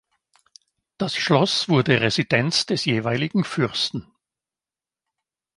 Das Schloss wurde Residenz des jeweiligen Fürsten.